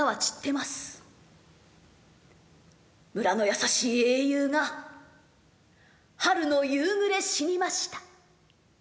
村の優しい英雄が春の夕ぐれ死にました」。